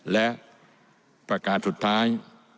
และประกาศสุดท้าย